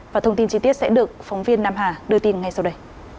và thông tin chi tiết sẽ được phóng viên nam hà đưa tin ngay sau đây